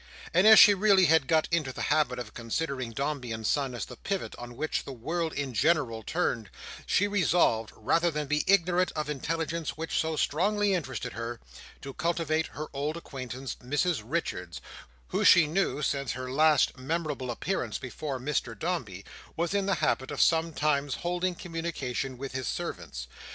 And as she really had got into the habit of considering Dombey and Son as the pivot on which the world in general turned, she resolved, rather than be ignorant of intelligence which so strongly interested her, to cultivate her old acquaintance, Mrs Richards, who she knew, since her last memorable appearance before Mr Dombey, was in the habit of sometimes holding communication with his servants.